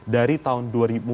dari tahun dua ribu dua